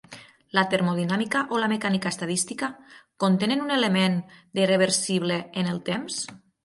La termodinàmica o la mecànica estadística contenen un element de irreversible en el temps?